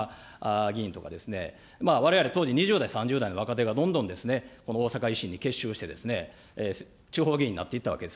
議員とか、われわれ当時、２０代、３０代の若手が、どんどんこのおおさか維新に結集して、地方議員になっていったわけです。